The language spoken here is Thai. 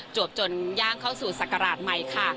จนย่างเข้าสู่ศักราชใหม่ค่ะ